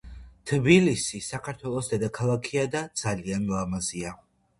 თბილისი საქართველოს დედაქალაქია და ძალიან ლამაზია